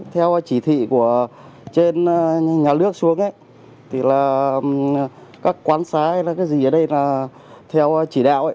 theo chỉ thị của trên nhà nước xuống thì là các quán xá hay là cái gì ở đây là theo chỉ đạo